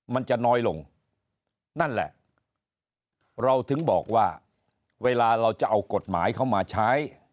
มันจะน้อยลงนั่นแหละเราถึงบอกว่าเวลาเราจะเอากฎหมายเข้ามาใช้